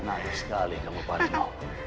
naif sekali kamu pak reno